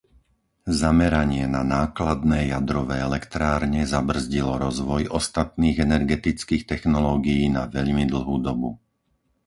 Zameranie na nákladné jadrové elektrárne zabrzdilo rozvoj ostatných energetických technológií na veľmi dlhú dobu.